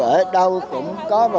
ở đâu cũng có nhân dân